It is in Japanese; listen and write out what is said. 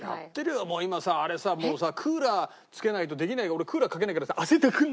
もう今さあれさもうさクーラーつけないとできない俺クーラーかけないからさ。